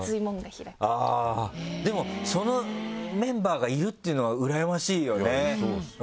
でもそのメンバーがいるっていうのはうらやましいよね。